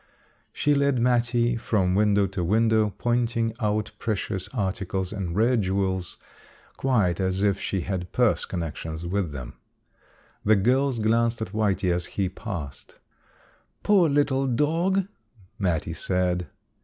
She led Mattie from window to window, pointing out precious articles and rare jewels, quite as if she had purse connections with them. The girls glanced at Whitey as he passed. "Poor little dog!" Mattie said.